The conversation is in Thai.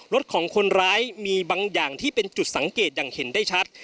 รถของคนร้ายมีบางอย่างที่เป็นจุดสังเกตอย่างเห็นได้ชัด